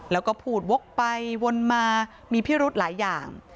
แล้วก็พูดวกไปวนมามีพิรุธหลายอย่าง